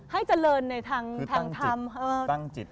ให้เจริญในทางทำตั้งจิต